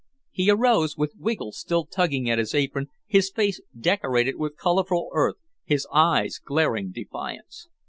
He arose, with Wiggle still tugging at his apron, his face decorated with colorful earth, his eyes glaring defiance.